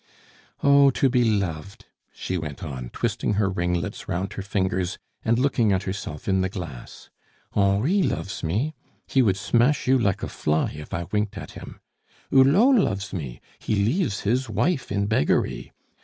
"Oh! to be loved!" she went on, twisting her ringlets round her fingers, and looking at herself in the glass. "Henri loves me. He would smash you like a fly if I winked at him! Hulot loves me; he leaves his wife in beggary!